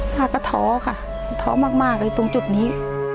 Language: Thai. ป้าก็ท้อค่ะท้อมากเลยตรงจุดนี้